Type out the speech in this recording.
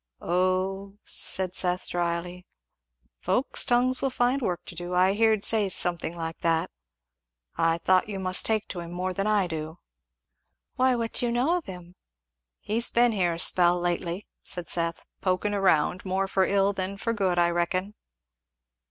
"O," said Seth dryly, "folks' tongues will find work to do; I heerd say something like that I thought you must take to him more than I do." "Why what do you know of him?" "He's been here a spell lately," said Seth, "poking round; more for ill than for good, I reckon."